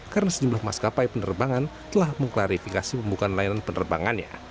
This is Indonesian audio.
karena sejumlah maskapai penerbangan telah mengklarifikasi pembukaan layanan penerbangannya